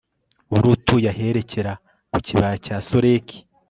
wari utuye aherekera ku kibaya cya soreki